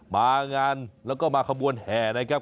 มางานแล้วก็มาขบวนแห่นะครับ